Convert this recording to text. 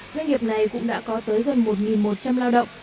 doanh nghiệp này cũng đã có tới gần một một trăm linh lao động